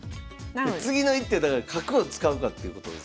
次の一手だから角を使うかっていうことですよね？